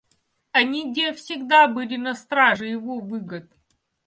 Они-де всегда были на страже его выгод.